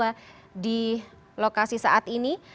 yang berada di lokasi saat ini